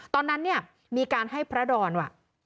ตอนนั้นเนี่ยมีการให้พระดอนว่า